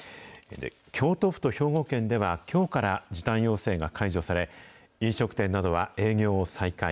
京都府と兵庫県では、きょうから時短要請が解除され、飲食店などは営業を再開。